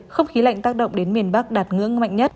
không khí lạnh tác động đến miền bắc đạt ngưỡng mạnh nhất